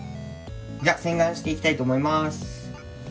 じゃ洗顔していきたいと思います！